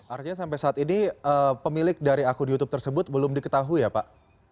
artinya sampai saat ini pemilik dari akun youtube tersebut belum diketahui ya pak